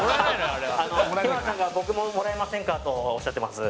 あれは日村さんが僕ももらえませんか？とおっしゃってます